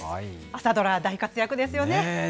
朝ドラ、大活躍ですよね。